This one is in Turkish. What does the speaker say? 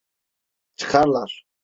Çıkarlar.